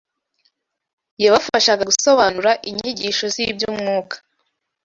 yabafashaga gusobanura inyigisho z’iby’umwuka